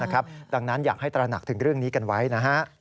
ดังนั้นอยากให้ตระหนักถึงเรื่องนี้กันไว้นะฮะ